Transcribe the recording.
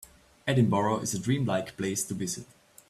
Edinburgh is a dream-like place to visit.